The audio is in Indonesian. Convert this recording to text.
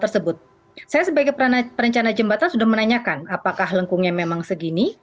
saya perlu menanyakan apakah lengkungnya memang segini